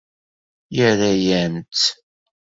Yerra-yam-tt.